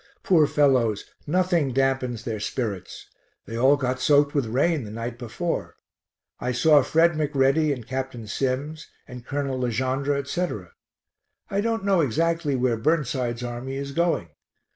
Poor fellows, nothing dampens their spirits. They all got soaked with rain the night before. I saw Fred McReady and Capt. Sims, and Col. Le Gendre, etc. I don't know exactly where Burnside's army is going.